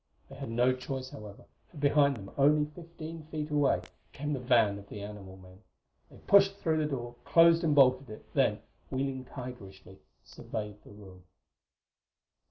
They had no choice, however, for behind, only fifteen feet away, came the van of the animal men. They pushed through the door, closed and bolted it, then, wheeling tigerishly, surveyed the room.